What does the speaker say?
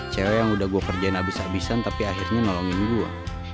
cewek yang udah gue kerjain abis habisan tapi akhirnya nolongin gue